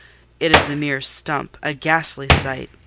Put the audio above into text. "It is a mere stump—a ghastly sight!